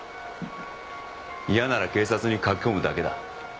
嫌なら警察に駆け込むだけだ。